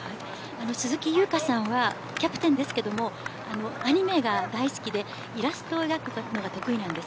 鈴木優花さんはキャプテンですがアニメが大好きでイラストを描くのが得意です。